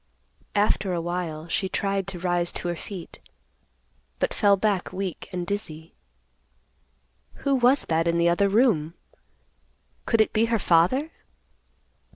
After awhile, she tried to rise to her feet, but fell back weak and dizzy. Who was that in the other room? Could it be her father?